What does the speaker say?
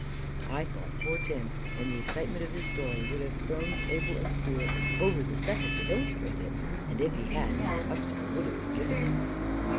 I thought poor Tim, in the excitement of his story, would have thrown table and stool over the settle to illustrate it; and if he had, Mrs. Huxtable would have forgiven him.